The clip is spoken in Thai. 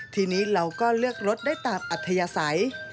ทีนี้เราก็เลือกรถได้ตามอัธยาศัย